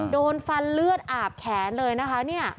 โดนฟันเลือดอาบแขนเลยนะคะ